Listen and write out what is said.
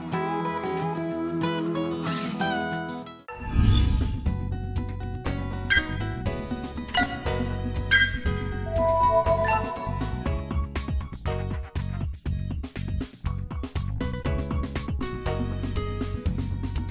hẹn gặp lại